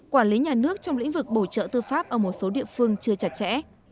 quản lý nhà nước trong lĩnh vực bổ trợ tư pháp ở một số địa phương chưa chặt chẽ